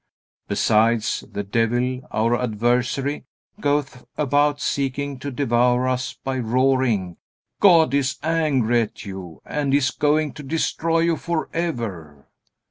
Besides, the devil, our adversary, goeth about seeking to devour us by roaring: "God is angry at you and is going to destroy you forever."